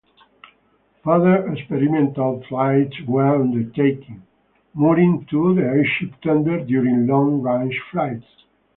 Further experimental flights were undertaken, mooring to the airship tender during long-range flights.